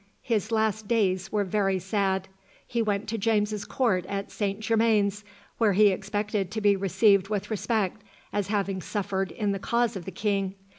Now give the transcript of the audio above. his last days were very sad. He went to James's court at Saint Germain's, where he expected to be received with respect, as having suffered in the cause of the king.